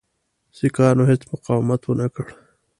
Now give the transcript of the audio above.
سیکهانو هیڅ مقاومت ونه کړ.